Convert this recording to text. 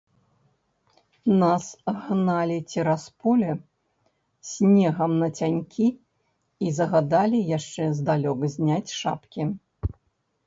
Нас гналі цераз поле, снегам нацянькі і загадалі яшчэ здалёк зняць шапкі.